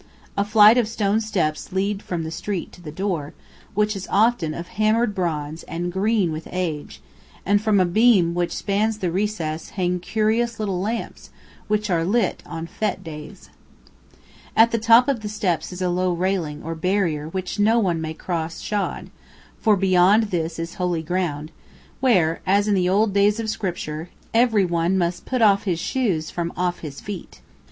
A flight of stone steps lead from the street to the door, which is often of hammered bronze and green with age, and from a beam which spans the recess hang curious little lamps, which are lit on fete days. At the top of the steps is a low railing or barrier which no one may cross shod, for beyond this is holy ground, where, as in the old days of Scripture, every one must "put off his shoes from off his feet."